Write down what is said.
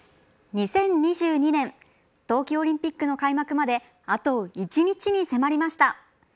２０２２年冬季オリンピックの開幕まであと１日に迫りました。